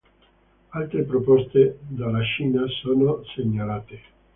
Altre proposte dalla Cina sono segnalate.